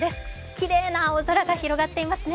きれいな青空が広がっていますね。